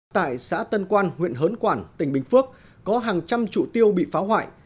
tại xã tân quan huyện hớn quản tỉnh bình phước có hàng trăm trụ tiêu bị phá hoại